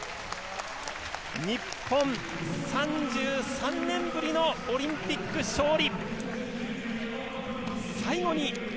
日本、３３年ぶりのオリンピック勝利。